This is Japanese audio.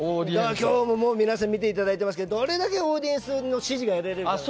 今日も皆さん見ていただいていますがどれだけオーディエンスの支持を得られるかです。